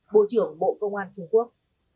bộ trưởng bộ công an trung quốc